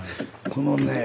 このねえ